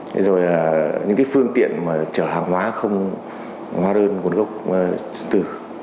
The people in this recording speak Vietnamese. thế rồi những cái phương tiện mà chở hàng hóa không hóa đơn nguồn gốc từ